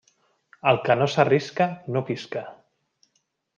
El que no s'arrisca no pisca.